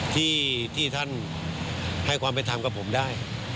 ที่ท่านให้ความไปทำกับผมได้